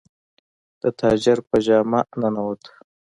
د تاجر په جامه ننووت.